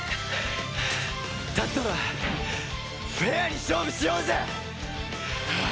だったらフェアに勝負しようぜ！